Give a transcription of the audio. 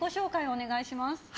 お願いします。